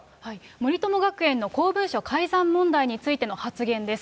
森友学園の公文書改ざん問題についての発言です。